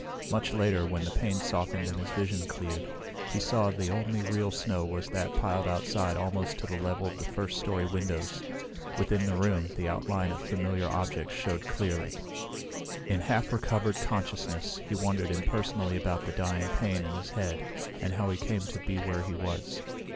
Much later, when the pain softened and his vision cleared, he saw the only real snow was that piled outside almost to the level of the first story windows. Within the room, the outline of familiar objects showed clearly. In half recovered consciousness he wondered impersonally about the dying pain in his head and how he came to be where he was.